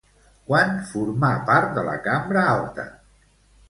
Quan formà part de la cambra alta?